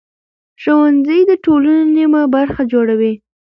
ښځې د ټولنې نیمه برخه جوړوي.